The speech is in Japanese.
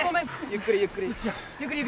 ゆっくりゆっくり。